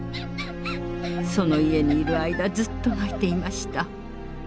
その家にいる間ずっと泣いていました。